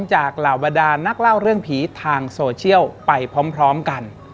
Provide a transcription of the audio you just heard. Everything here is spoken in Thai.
เหล่าบรรดานักเล่าเรื่องผีทางโซเชียลไปพร้อมกัน